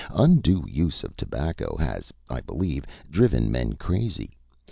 Undue use of tobacco has, I believe, driven men crazy.